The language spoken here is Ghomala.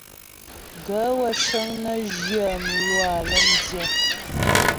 Gaə̂ wə́ cə́ŋ nə́ zhyə mlwâ lɔ́mdyə́.